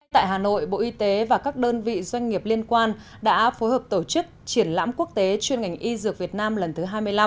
tại hà nội bộ y tế và các đơn vị doanh nghiệp liên quan đã phối hợp tổ chức triển lãm quốc tế chuyên ngành y dược việt nam lần thứ hai mươi năm